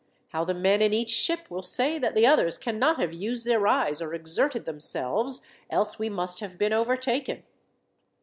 How the men in each ship will say that the others cannot have used their eyes or exerted themselves, else we must have been overtaken.